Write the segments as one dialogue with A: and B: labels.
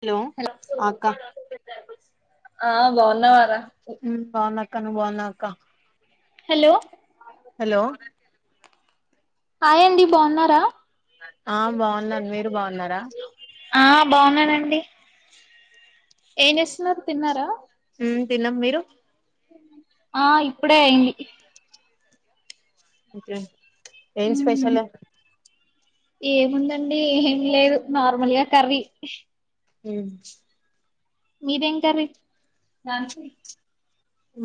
A: Hello ఆక్క
B: ఆ బాగున్నావా రా
A: బాగున్నాక్క నువ్వు బాగున్నాక్క
B: హలో
A: హలో
B: ఆయండి బాగున్నారా
A: ఆ బాగున్నాను మీరు బాగున్నారా
B: ఆ క బాగున్నానండి ఏం చేస్తున్నారు తిన్నారా
A: హ్మ్ తిన్నాం మీరు
B: ఆ ఇప్పుడే అయింది
A: ఓకే ఏమ్
B: ఉమ్
A: స్పెషల్
B: ఏముందండి ఏమి లేదు నార్మల్గా కర్రీ
A: హ్మ్
B: మీదేం కర్రీ దంత్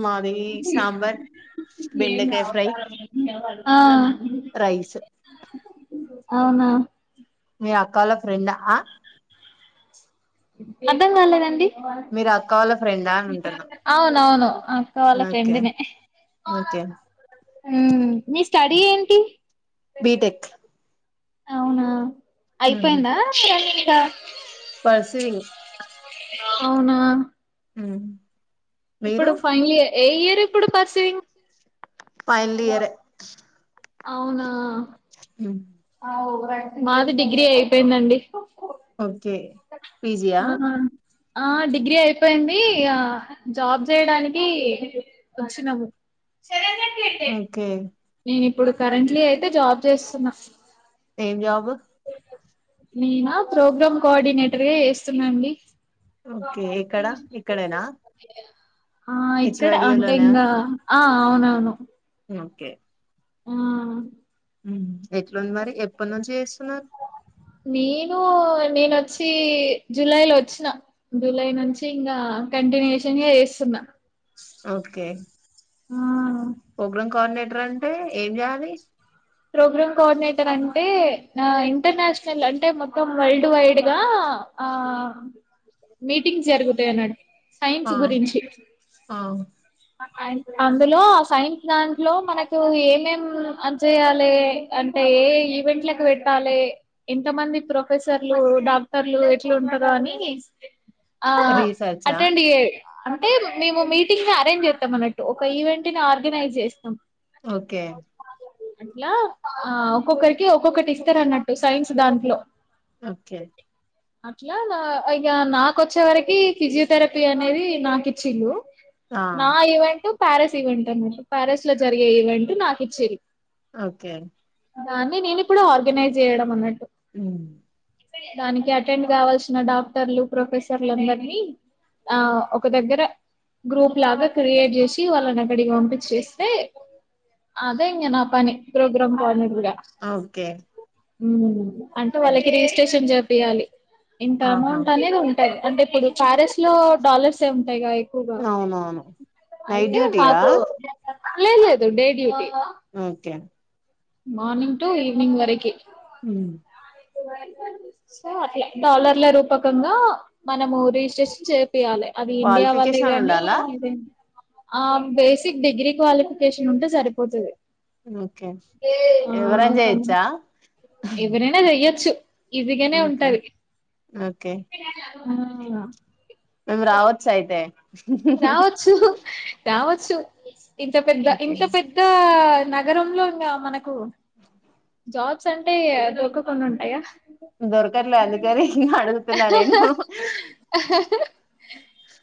A: మాది సాంబార్ బెండకాయ ఫ్రై
B: ఆ
A: రైస్
B: అవునా
A: అక్కాలో ఫ్రెంా [unintelligible]
B: అర్తం కాలేదండి
A: మీరాఅకాల
B: అవునవును అక్క వాళ్ళ
A: ఓకే
B: ఫ్రెండినే
A: ఓకే
B: హ్మ్ మీ స్టడీ ఏంటి
A: బీటెక్
B: అవునా
A: ఉమ్
B: అయిపోయిందా ఇంకా
A: పర్సూయింగ్
B: అవునా
A: హు
B: ఇప్పుడు ఫైనల్ ఇయర్ ఏ ఇయర్ ఇప్పుడు పర్
A: ఫైనల్ ఇయర్
B: [unintelligible] అవునా
A: హ్మ్
B: మాది డిగ్రీ అయిపోయిందండి
A: ఓకే పీజియా
B: ఆహా ఆ డిగ్రీ అయిపోయింది ఆ జాబ్ చేయడానికి వచ్చినాము సరే [unintelligible]
A: ఓకే
B: నేను ఇప్పుడు కరెంట్లీ అయితే జాబ్ చేస్తున్నా
A: ఏం జాబ్
B: నేనా ప్రోగ్రామ్ కోఆర్డినేటర్గా చేస్తున్నాండి
A: ఓకే ఎక్కడా ఇక్కడేనా
B: ఆ ఇక్కడ అంతే
A: హెచ్వైడిలోనా
B: ఇంకా ఆ అవునవును
A: ఓకే
B: ఆ
A: ఉం ఎట్లుంది మరి ఎప్పటి నుంచి చేస్తున్నారు
B: నేను నేన వచ్చి జూలై లో వచ్చినా జూలై నుంచి ఇంకా కంటిన్యూషన్ గా చేస్తు నా
A: ఓకే ప్రోగ్రాం కోఆర్డినేటర్ అంటే ఏం చేయాలి
B: ప్రోగ్రామ్ కోఆర్డినేటర్ అంటే నా ఇంటర్నేషనల్ అంటే మొత్తం వరల్డ్ వైడ్ గా ఆ మీటింగ్ జరుగుతాయి అన్నట్టు సైన్స్
A: ఆ
B: గురించి
A: ఆ
B: అందులో ఆ సైన్స్ దాంట్లో మనకు ఏమేంమేం అని చెయాలి అంటే ఏ ఏ ఈవెంట్లకు పెట్టాలి ఎంత మంది ప్రొఫెసర్లు డాక్టర్లు ఎట్లుంటరో నీ అ
A: రీసెర్చా
B: అటెండ్ చెయ్ అంటే మేము మీటింగ్ అరేంజ్ చేస్తాం అన్నట్టు ఒక ఈవెంట్ ని ఆర్గనైజ్ చేస్తాం
A: ఓకే
B: అట్లా ఆ ఒక్కొక్కరికి ఒక్కొక్కటి ఇస్తారు అన్నట్టు సైన్స్ దాంట్లో
A: ఓకే
B: అట్లా నా ఇక నాకొచ్చే వరకి ఫిజియోథెరపీ అనేది నాకిచ్చిలు
A: ఆ
B: నా ఈవెంట్ ప్యారిస్ ఈవెంట్ అనమాట ప్యారిస్ లో జరిగే ఈవెంట్ నాకు ఇచ్చరి
A: ఓకే
B: దాన్ని నేను ఇప్పుడు ఆర్గనైజ్ చేయడం అన్నట్టు
A: ఉమ్,
B: దానికి అటెండ్ కావాల్సిన డాక్టర్లు ప్రొఫెసర్లు అందరినీ ఆ ఒక దగ్గర గ్రూప్ లాగా క్రియేట్ చేసి వాళ్ళని అక్కడికి పంపించేస్తే అదే ఇంగ నా పని పోగ్రామ్ కోఆర్డినేటర్ గా
A: ఓకే
B: అంటే వాళ్ళకి రిజిస్ట్రేషన్ చెపియాలి ఇంత
A: ఆహా
B: అమౌంట్ అనేది ఉ అంటే ఇప్పుడు ప్యారిస్ లో డాలర్స్ ఏ ఉంటాయి ఎక్కువగా
A: అవునవును నైట్
B: అయితే
A: డ్యూటీయా
B: మాకు లేలేదు day duty
A: okay
B: morning to evening వరకి
A: ఉమ్
B: సో అట్లా డాలర్ల రూపకంగా మనము రిజిస్ట్రేషన్ చే పియాలి అది ఇండియా వాళ్ళే
A: క్వాలిఫికేషన్
B: కానీ
A: ఉండాలా
B: ఆ బేసిక్ డిగ్రీ క్వాలిఫికేషన్ ఉంటే సరిపోతుది
A: ఓకే
B: ఆ
A: ఎవరైనా
B: కమ్
A: చేయొచ్చా
B: ఎవరైనా చెయ్యొచ్చు ఇజిగానే
A: ఓకే
B: ఉంటది అ
A: మేమ్ రావచ్చు అయితే
B: రావచ్చు రావచ్చు ఇంత పెద్ద
A: ఓకే
B: ఇంత పెద్ద నగరంలో ఇంగ మనకు జాబ్స్ అంటే దొరకకున్న ఉంటాయా
A: దొరకట్లేదు అందుకని ఇంగ అడుగుతున్నా నేను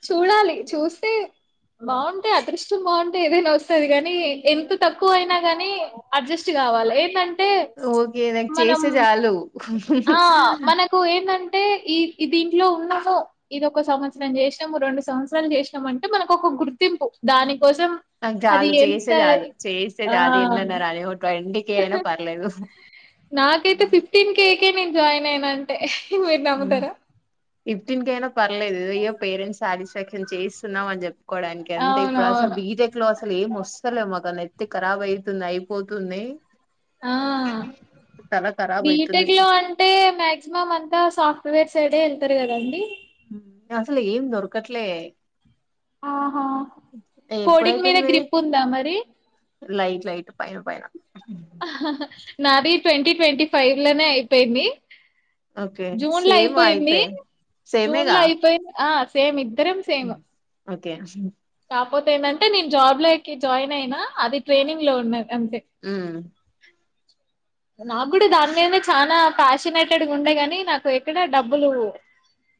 B: చూడా చూస్తే బాగుంటే అదృష్టం బాగుంటే ఏదైనా వస్తది కానీ ఎంత తక్కువ అయినా కానీ అడ్జస్ట్ కావాలి ఏదంట్
A: ఓకే నాకు చేస్తే చాలు
B: టే ఈ దీంట్లో ఉన్నాము ఇదొక సంవత్సరం చేసినాము రెండు సంవత్సరాలు చేసినాము అంటే మనకు ఒక గుర్తింపు దాని కోసం
A: నాకు
B: అది
A: చాలు
B: ఎంత
A: చేస్తే చాలు చేస్తే
B: ఆ
A: చాలు ఎన్నన్న రాని ఓ ట్వంటీ కే అయినా పర్లేదు
B: నాకైతే ఫిఫ్టీన్ కేకే నేన్ జాయినయిన అంటే మీరు నమ్ముతారా
A: ఫీఫ్టిన్కైనా పర్లేదు ఏదో పేరెంట్స్ సాటిస్ఫాక్షన్ చేయిస్తున్నాం అని చెప్ప కోవడానికి అంటే ఇప్పుడు అసలు
B: అవునవును
A: బీటెక్ లో అసలు ఏం వస్తలే మాక తే ఖరాబ్ అయితుంది అయిపోతుంది
B: ఆ
A: తల ఖరాబ్ అయితుంది
B: బిటెక్ లో అంటే మ్యాక్సిమం అంతా సాఫ ప్రవేట్ సైడేళ్తారు కదండి
A: అసలు ఏం దొరకట్లే
B: ఆహా కోడింగ్ మీద
A: ఎప్పుడైపోయింది మీది
B: గ్రిప్ ఉందా మరి
A: లైట్ లైట్ పైన పైన
B: నాది ట్వంటీ ట్వంటీ ఫైవ్ లనే అయిపోయింది
A: ఓకే
B: జూన్ లో
A: సేమ్
B: అయిపోయింది
A: అయితే
B: జూన్
A: సేమేగా
B: లో అయిపోయింది ఆ సేమ్ ఇద్దరం సేమ్
A: ఓకే
B: కాకపోతే ఏంటంటే నేను జాబ్ లోకి జాయిన్ అయినా అది ట్రైనింగ్ లో ఉన్నది అంతే
A: ఉ
B: నాకు కూడ దాని మీద చానా ప్యాషనేటెడ్గా ఉండే గాని నాకు ఎక్కడ డబ్బులు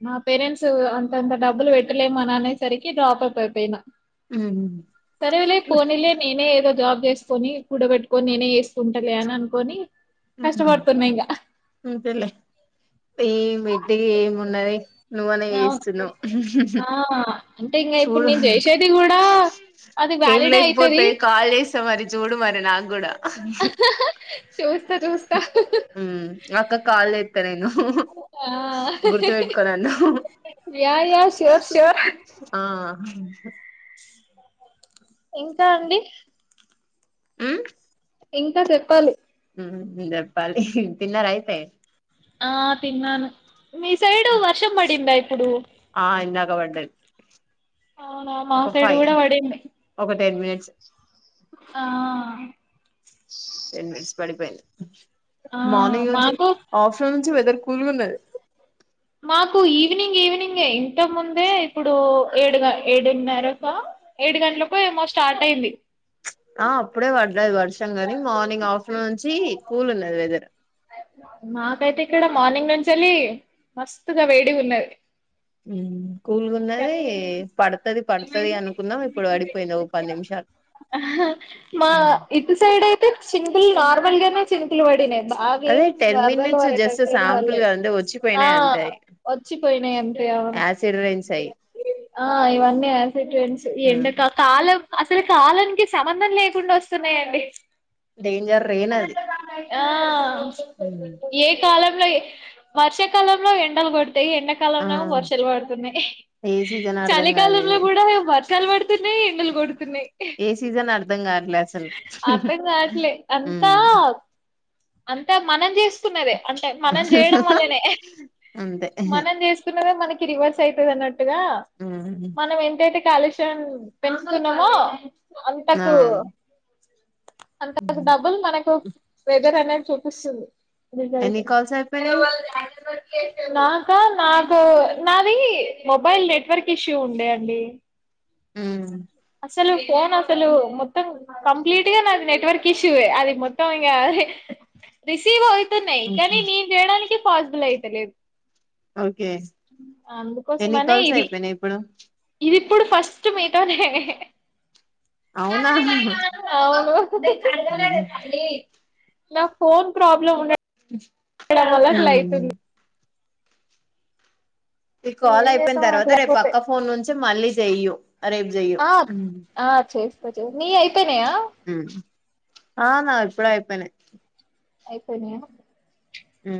B: నా పేరెంట్స్ అంతంత డబ్బులు పెట్టలేమని అనేసరికి డ్రాప్ అపయిపోయినా
A: ఉమ్.
B: సరేలే పోనిలే నేనే ఏదో జాబ్ చేసుకొని కూడ బెట్టుకొని నేనే చేేస్కుంటలే అని అనుకొని కష్టపడుతున్నా ఇంగ
A: అంతేలే ఎమ్ ఏము ఉన్న ది నువ్వన్నా
B: అవును
A: చేస్తునవ్
B: ఆ అంటే ఇంగా ఇప్పుడు నేను చేసేది కూడా అది
A: కేం
B: వ్యాలిడే అయితది
A: లేకపోతే కాల్ చేస్తా మరి చూడు మరి నాక్
B: చూస్తా చూస్తా
A: అక్క కాల్లెత్త నేను
B: ఆ
A: గుర్తు పెట్కో నన్ను
B: యా యా శోర్ శోర్
A: ఆ
B: ఇంకా అండి
A: ఉ
B: ఇంకా చెప్పాలి
A: ఉ చెప్పాలి తిన్నార అయితే
B: ఆ తిన్నాను మీ సైడ్ వర్షం పడిందా ఇప్పుడు
A: ఆ ఇందాక పడ్డది
B: అవునా మా
A: ఒక
B: సైడ్
A: ఫైవ్
B: కూడా పడింది
A: ఒక టెన్ మినట్
B: ఆ
A: టెన్ మినిట్స్ పడిపోయింది
B: ఆ
A: మార్నింగ్ నుంచి
B: మాకు
A: ఆఫ్టర్నూనుంచి వెదర్ కూల్గా ఉన్నది
B: మాకు ఈవినింగ్ ఈవినింగ్ ఇంత ముందే ఇప్పుడు ఏడు ఏడున్నరక ఏడు గంటలకు ఏమో స్టార్ట్ అయి యింది
A: ఆ అప్పుడే పడ్డది వర్షం కని మార్నింగ్ ఆఫ్టర్నూన్ నుంచి కూల్ ఉన్నది వెదర్
B: మాకైతే ఇక్కడ మార్నింగ్ నుంచెళ్లి మస్తుగా వేడిగా ఉన్నది
A: కూల్గా ఉన్నది పడుతది పడుతది అనుకున్నాం ఇప్పుడు పడిపోయింది ఒక పది నిమిషాలు
B: హ మా ఇటు సైడ్ అయితే చినుకుల్ నార్మల్గానే చినుకులు పడినయి బా ఆ
A: అదే
B: గేమ్
A: టెన్
B: వరదల
A: మినిట్స్ జస్ట్
B: పడేటట్టు
A: శాంపుల్
B: రాలే
A: గా అంతే
B: ఆ
A: వచ్చిపోయినాయి
B: వచ్చిపోయినయంతే
A: ఆసిడ్ వెన్ సై
B: ఆ ఎవన్నీ ఆసటెండ్స్ ఎండకా కాలం అసలు కాలానికి సంబంధం లేకుండా వస్తున్నాయండి
A: డేంజర్ రేన్ అది
B: ఆ ఏ కాలంలో వర్షాకాలంలో ఎండలు పడు ఇ
A: ఆ
B: ఎండాకాలంలో ఏమో వర్షాలు పడుతున్నాయి
A: ఏ సీజన్ అర్ధం కాదు
B: చలికాలంలో
A: ఇది
B: కూడా ఇగ వర్షాలు వర్షాలు పడుతున్నాయి ఎండలు కొడు తున్నాయి
A: ఏ సీజన్ అర్ధం కావట్లే అసలు
B: అర్థం కావట్లే అంతా
A: ఉమ్
B: అంతా మనం చేసుకున్నదే అంటే మనం చేయడం వల్లనే
A: అంతే
B: మనం చేస్తు స్తున్న మనకి రివర్స్ అయితది అన్నట్టుగా
A: ఉమ్
B: మనం ఏంటంటే కలెక్షన్ పెంచుకున్నామో
A: ఆ
B: అంతకు అంత కు డబ్బులు మనకు వెదర్ అనేది చూపిస్తుంది రిజల్ట్
A: ఎన్ని కాల్స్ అయిపోయినాయి
B: నాకా నాకు నాది మొబైల్ నెట్వర్క్ ఇష్యూ ఉండే అండి
A: మ్
B: అసలు ఫోన్ అసలు మొత్తం కంప్లీట్ గా నాది నెట్వర్క్ ఇష్యూ ఎ అది మొత్తం ఇంకా రిసీవ్ అవుతున్నాయి
A: ఓకే
B: కానీ నేను చేయడానికి పాసిబుల్ అయితాలేదు
A: ఓకే
B: అందుకోసం
A: ఎన్ని
B: అనే
A: కాల్స్
B: ఇది
A: అయిపోయినాయి ఇప్పుడు
B: ఇది ఇప్పుడు ఫస్ట్ మీతోనే
A: అవునా
B: అవును హ్
A: ఉమ్
B: హ్ నా ఫోన్ ప్రాబ్లం ఉండ ఉండదోమ్ వల్ల అట్లా అయితుంది
A: ఈ కాల్
B: ఏం
A: అయిపోయిన
B: చేస్తాం
A: తర్వాత రేపు
B: అట్లయిపోతే
A: పక్క ఫోన్ నుంచి మళ్ళీ చెయ్యు రేపు చెయ్యు
B: నీ అయితనయా
A: ఆ నా ఇప్పుడే అయిపోయినాయి
B: అయిపోయినాయా
A: మ్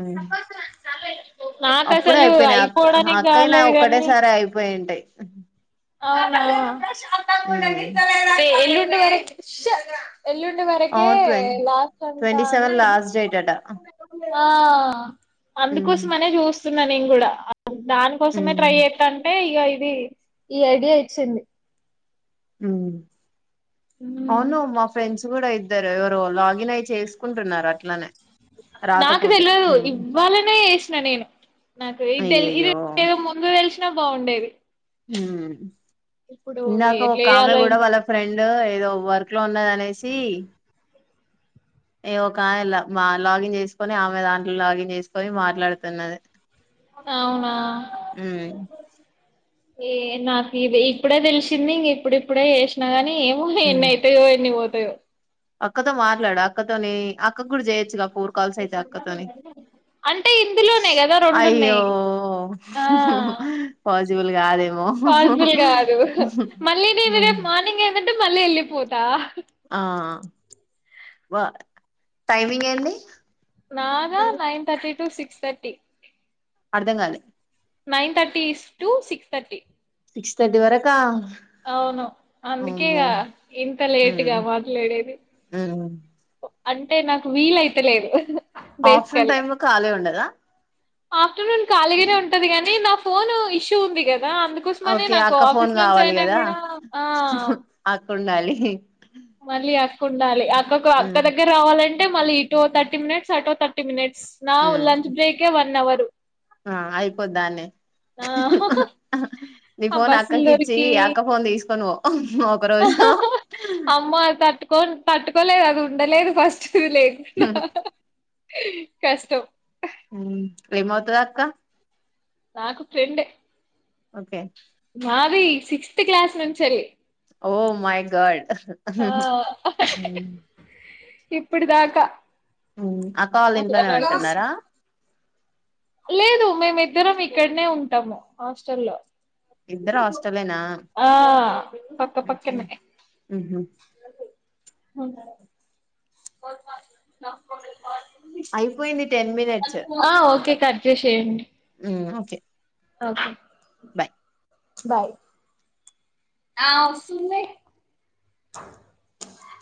B: [inaudible]
A: అప్పుడే
B: అసలు
A: అయిపోయినాయి అక్క
B: అయిపోవడానికి
A: అక్కయి నాయి
B: కాలేదు గాని
A: ఒక్కటేసారి అయిపోయింటాయి
B: అవునా ఏ ఎల్లుండి ఏడ ఉష్ ఎల్లుండి వరకే
A: అవును ట్వంటీ
B: లాస్ట్ అంటా
A: ట్వంటీ సెవెన్
B: అని
A: లాస్ట్ డేట్ అట
B: ఆ
A: ఉమ్
B: అందుకోసమనే చూస్తున్నా నేను కూడా దానికోసమే ట్రై
A: ఉమ్
B: చేస్తంటే ఇక ఇది ఈ ఐడియా ఇచ్చింది
A: మ్
B: ఉమ్
A: అవును మా ఫ్రెండ్స్ కూడా ఇ ఇద్దరు ఎవరో లాగిన్ అయి చేసుకుంటున్నారు అట్లనే
B: నాకు
A: రాకపోతే
B: తెలియదు
A: ఉమ్,
B: ఇవ్వాలనే ఏసిన నేను నాకు ఇదితెలి ఇది
A: అయ్యయ్యో
B: ఏదో ముందు తెలిసినా బాగుండేది
A: మ్
B: ఇప్పుడు
A: ఇందాక
B: ఎట్లా
A: ఒక ఆమె
B: చేయాలో
A: కూడా
B: ఏమో
A: వాళ్ళ ఫ్రెండ్ ఏదో వర్క్ లో ఉన్నది అనేసి
B: [inaudible]
A: ఏ ఒక ఆమె ల మ లాగిన్ చేసుకొని ఆమె దాంట్లో లాగిన్ చేసుకొని మాట్లాడుతున్నది
B: అవునా అవునా
A: ఉమ్
B: ఏ నాకు ఇది ఇప్పుడే తెలిసింది ఇంక ఇప్పుడుప్పుడే చేసినా గాని ఏముంది ఎన్ని
A: ఉమ్.
B: అయితేయో ఎన్ని పోతయో
A: అక్కతో మాట్లాడు అక్కతోనే అక్కకు కూడా చేయొచ్చు గా పూర్ కాల్స్ అవుతాయి అక్క తోని
B: అంటే ఇందులోనే కదా
A: అయ్యో
B: రెండున్నాయి ఆ
A: మ్ హు పాసిబుల్ కాదు
B: పాసిబుల్ కాదు అహ్ మళ్ళీ నేను
A: ఉమ్.
B: రేపు మార్నింగ్ ఏందంటే మళ్ళీ వెళ్ళిపోతా
A: వా టైమింగ్ ఏంది
B: నాదా nine thirty to six thirty
A: అర్ధం కాలి
B: nine thirty to six thirty
A: six thirty వరకా
B: అవును
A: అమ్మో
B: అందుకేగా ఇంత లేటుగా
A: ఉమ్
B: మాట్లాడేది
A: ఉమ్
B: అంటే నాకు వీలయితేలేదు
A: ఆఫ్న్ టైమ్ లో కఖాళే ఉండదా
B: ఆఫ్టర్నూన్ ఖాళగానే ఉంటది కాగానీ నా ఫోన్ ఇష్యూ ఉంది కద అందుకోసమని
A: ఓకే
B: నాకు
A: అక్క ఫోన్
B: ఆఫీస్ నుంచి
A: కావాలి
B: అయినా
A: కదా
B: కూడా ఆ
A: అక్క ఉండాలి
B: మళ్ళీ అక్కకు ఉండాలి అక్క అక్క
A: ఉమ్
B: దగ్గర రావాలంటే మళ్ళీ ఇటుో థర్టీ మినిట్స్ అటుో థర్టీ మినిట్స్ నా
A: um
B: lunch break one hour
A: ఆ అయిపోద్ానేే
B: ఆ
A: నీ
B: ఆ
A: ఫోన్
B: బస్సులు
A: అక్కకిచ్చి
B: దొరికి
A: అక్క ఫోన్ తీసుకొని పో ఒక రోజు
B: అమ్మ తట్టుకోని తట్టుకో తప్పలేదు అది ఉండలేదు ఫస్ట్ లేదు కష్టం
A: హ ప్రేమ అవుతుదా అక్క
B: నాకు ఫ్రెండే
A: ఓకే
B: మాది సిక్స్త్ క్లాస్ నుంచెలి
A: ఓ మై గాడ్ యూ
B: ఇప్పుడుదాకా
A: ఆ కాల ఇంట్లోనే ఉంటున్నారా
B: లేదు మేమి ఇద్దరం ఇక్కడనే ఉంటాము హాస్టల్లో
A: ఇద్దరు హాస్టలేనా
B: ఆ పక్క పక్కనే
A: ఊహు
B: [inaudible]
A: అయిపోయింది టెన్ మినిట్స్
B: ఆ ఓకే కర్జషయం్యడి
A: ఓకే
B: ఓకే
A: బాయ్
B: బాయ్ ఆ ఇస్తున్నాయి